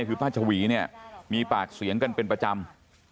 คือป้าชวีเนี่ยมีปากเสียงกันเป็นประจำ